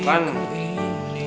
sebesar aku ini